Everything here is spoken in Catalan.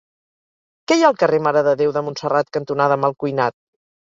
Què hi ha al carrer Mare de Déu de Montserrat cantonada Malcuinat?